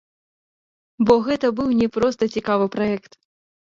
Бо гэта быў не проста цікавы праект.